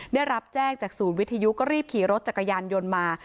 ได้รับแจ้งจากศูนย์วิทยุก็รีบขี่รถจักรยานยนต์มา